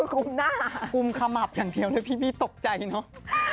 คุมหน้ากุมขมับอย่างเดียวเลยพี่ตกใจเนอะ